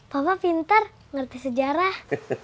papa pintar ngerti sejarah